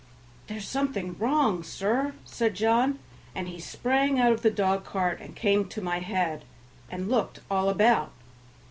"There's something wrong, sir," said John, and he sprang out of the dog cart and came to my head and looked all about.